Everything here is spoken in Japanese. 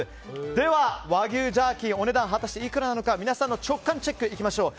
では、和牛ジャーキーお値段は果たしていくらなのか皆さんの直感チェックいきましょう。